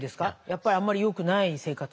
やっぱりあんまりよくない生活？